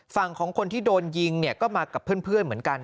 ฝั่งของคนที่โดนยิงเนี่ยก็มากับเพื่อนเหมือนกัน